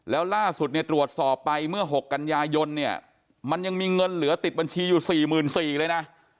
แล้วล่าสุดเนี่ยตรวจสอบไปเมื่อ๖กันยายนเนี่ยมันยังมีเงินเหลือติดบัญชีอยู่๔๔๐๐เลยนะ